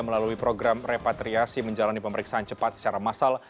melalui program repatriasi menjalani pemeriksaan cepat secara massal